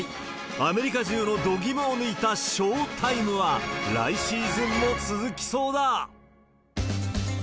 アメリカ中のどぎもを抜いたショータイムは来シーズンも続きそうだ。